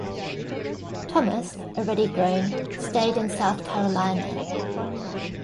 Thomas, already grown, stayed in South Carolina.